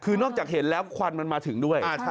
คือนอกจากเห็นแล้วควันมันมาถึงด้วย